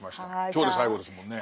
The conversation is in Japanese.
今日で最後ですもんね。